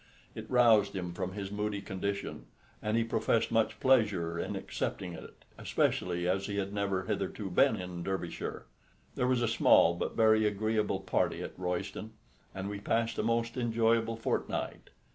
It roused him from his moody condition, and he professed much pleasure in accepting it, especially as he had never hitherto been in Derbyshire. There was a small but very agreeable party at Royston, and we passed a most enjoyable fortnight.